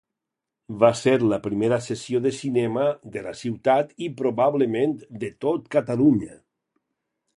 Va ser la primera sessió de cinema de la ciutat i probablement de tot Catalunya.